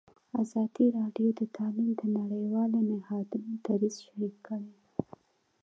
ازادي راډیو د تعلیم د نړیوالو نهادونو دریځ شریک کړی.